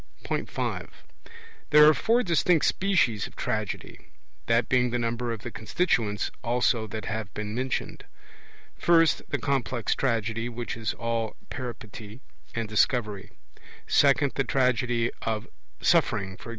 (5) There are four distinct species of Tragedy that being the number of the constituents also that have been mentioned: first, the complex Tragedy, which is all Peripety and Discovery; second, the Tragedy of suffering, e.g.